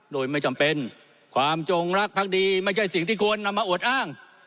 โดยไม่จำเป็นความจงรักพักดีไม่ใช่สิ่งที่ควรนำมาอวดอ้าง